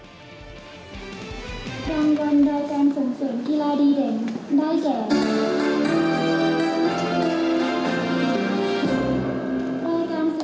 รางวัลรายการส่งเสริมกีฬาดีเด่นได้แก่